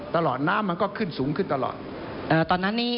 ตลอดแล้ว